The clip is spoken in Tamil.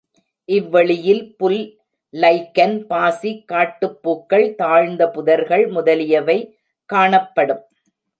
இவ்வெளியில் புல், லைக்கன், பாசி, காட்டுப் பூக்கள், தாழ்ந்த புதர்கள் முதலியவை காணப்படும்.